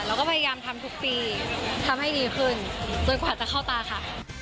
เราก็พยายามทำทุกปีทำให้ดีขึ้นจนกว่าจะเข้าตาค่ะ